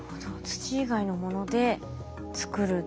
土以外のもので作る。